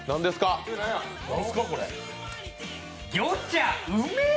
魚茶、うめぇ。